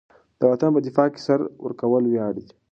د وطن په دفاع کې سر ورکول ویاړ دی.